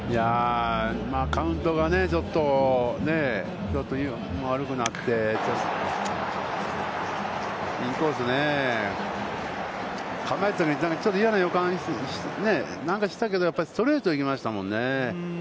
カウントがちょっと悪くなって、インコースね、構えたときに嫌な予感、なんかしたけど、ストレートで行きましたもんね。